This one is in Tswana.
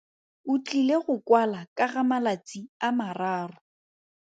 O tlile go kwala ka ga malatsi a mararo.